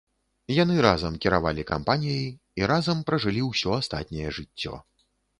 Яны разам кіравалі кампаніяй і разам пражылі усё астатняе жыццё.